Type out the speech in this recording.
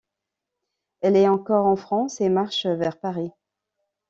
Elle est encore en France et marche vers Paris.